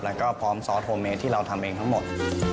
แล้วก็พร้อมซอสโฮเมสที่เราทำเองทั้งหมด